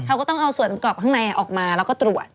เขาก็ต้องเอาส่วนประกอบข้างในออกมาแล้วก็ตรวจ